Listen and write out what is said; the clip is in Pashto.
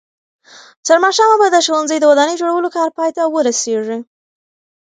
تر ماښامه به د ښوونځي د ودانۍ جوړولو کار پای ته ورسېږي.